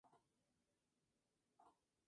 a Valeria a lo mejor, pero a Ainhoa